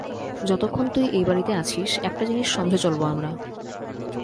যতক্ষণ তুই এই বাড়িতে আছিস, একটা জিনিস সমঝে চলবো আমরা।